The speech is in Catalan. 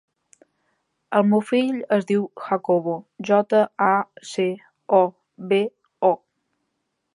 El meu fill es diu Jacobo: jota, a, ce, o, be, o.